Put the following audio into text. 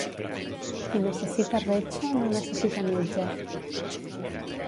Qui necessita retxa, no necessita metge.